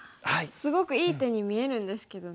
すごくいい手に見えるんですけどね。